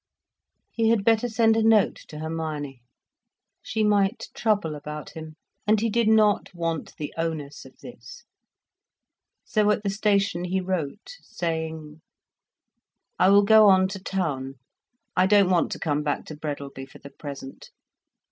He had better send a note to Hermione: she might trouble about him, and he did not want the onus of this. So at the station, he wrote saying: I will go on to town—I don't want to come back to Breadalby for the present.